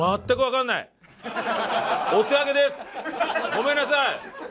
ごめんなさい！